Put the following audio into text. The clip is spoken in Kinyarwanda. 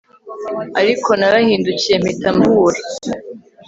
Ariko narahindukiye mpita mubura